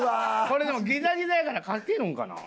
これでもギザギザやから書けるんかな？